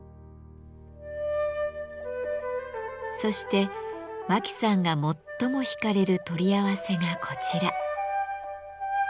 そして真木さんが最も引かれる取り合わせがこちら。